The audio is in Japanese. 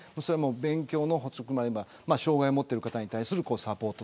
勉強の補足もあれば障害を持ってる方に対するサポート。